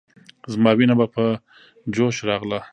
زما وينه به په جوش راغله.